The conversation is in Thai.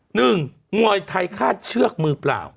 หนึ่งมวยไทยฆ่าเชือกมือเปล่า